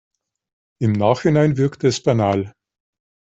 Im Nachhinein wirkt es banal.